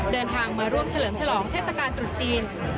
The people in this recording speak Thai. เดินทางมาร่วมเฉลิมฉลองเทศกาลตรุษจีน